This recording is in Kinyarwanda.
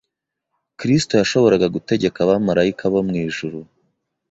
Kristo yashoboraga gutegeka abamaraika bo mu ijuru